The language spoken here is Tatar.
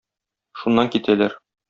Шуннан китәләр.